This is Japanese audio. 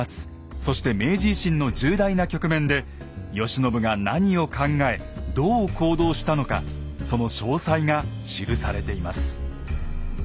そして明治維新の重大な局面で慶喜が何を考えどう行動したのかその詳細が記されています。